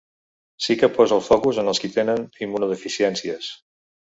Sí que posa el focus en els qui tenen immunodeficiències.